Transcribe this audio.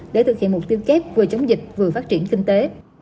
để thực hiện mục tiêu kép vừa chống dịch vừa phát triển kinh tế